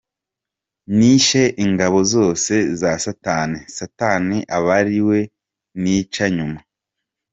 Nishe ingabo zose za satani, satani aba ari we nica nyuma”.